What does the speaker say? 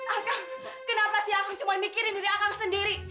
akang kenapa sih akang cuma mikirin diri akang sendiri